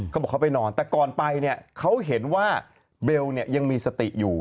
เขาบอกเขาไปนอนแต่ก่อนไปเนี่ยเขาเห็นว่าเบลเนี่ยยังมีสติอยู่